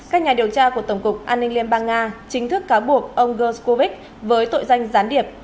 các nhà điều tra của tổng cục an ninh liên bang nga chính thức cáo buộc ông ghe scorix với tội danh gián điệp